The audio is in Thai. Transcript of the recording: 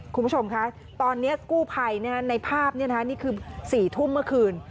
คุณผู้ชมคะตอนนี้กู้ภัยในภาพนี่คือ๔ทุ่มเมื่อคืน